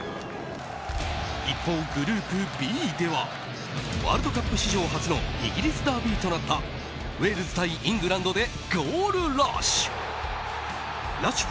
一方、グループＢではワールドカップ史上初のイギリスダービーとなったウェールズ対イングランドでゴールラッシュ！